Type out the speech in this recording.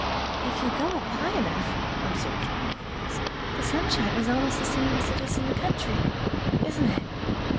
"If you go up high enough," observed Mary Louise, "the sunshine is almost the same as it is in the country, isn't it?"